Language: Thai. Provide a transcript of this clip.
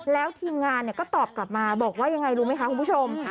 แล้วทีมงานก็ตอบกลับมาบอกว่ายังไงรู้ไหมคะคุณผู้ชม